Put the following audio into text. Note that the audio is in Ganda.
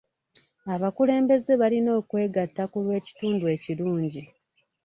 Abakulembeze balina okwegatta ku lw'ekitundu ekirungi.